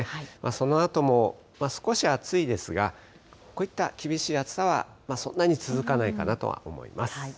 そのあとも少し暑いですが、こういった厳しい暑さはそんなに続かないかなとは思います。